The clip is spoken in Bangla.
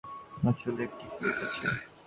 আমার চুলে একটা ক্লিপ আছে।